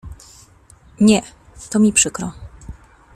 Nie, to mi przykro.